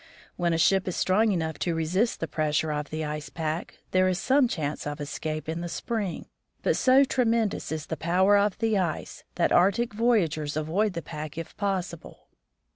When a ship is strong enough to resist the pressure of the ice pack, there is some chance of escape in the spring, but so tre mendous is the power of the ice that Arctic voyagers avoid the pack if possible.